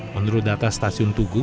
menurut data stasiun tugu